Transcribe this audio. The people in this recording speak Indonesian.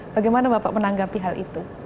bagaimana bapak menanggapi hal itu